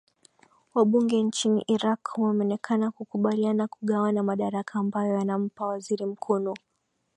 wabunge nchini iraq wameonekana kukubaliana kugawana madaraka ambayo yanampa waziri mkuu nu